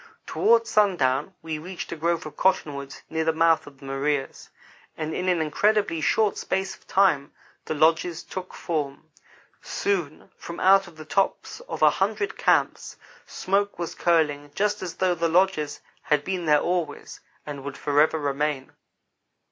Toward sundown we reached a grove of cottonwoods near the mouth of the Maria's, and in an incredibly short space of time the lodges took form. Soon, from out the tops of a hundred camps, smoke was curling just as though the lodges had been there always, and would forever remain.